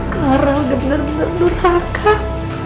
karel benar benar berlurahkah